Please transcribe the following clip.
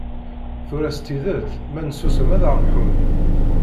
Tura s tidet, ma nessusem ad aɣ-mḥun.